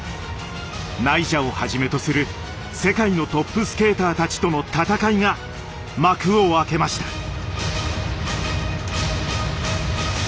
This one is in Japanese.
ナイジャをはじめとする世界のトップスケーターたちとの戦いが幕を開けました。